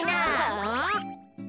うん？